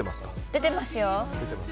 出てますよ。